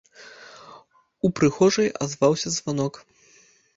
У прыхожай азваўся званок.